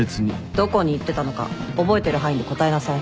どこに行ってたのか覚えてる範囲で答えなさい。